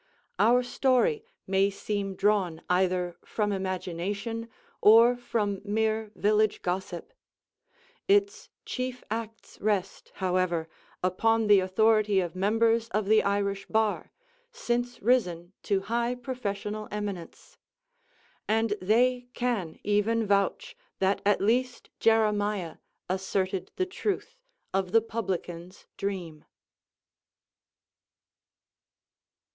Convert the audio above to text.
Our story may seem drawn either from imagination, or from mere village gossip: its chief acts rest, however, upon the authority of members of the Irish bar, since risen to high professional eminence; and they can even vouch that at least Jeremiah asserted the truth of "The Publican's Dream."